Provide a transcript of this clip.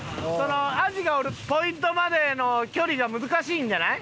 アジがおるポイントまでの距離が難しいんじゃない？